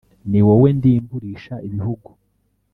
ni wowe ndimburisha ibihugu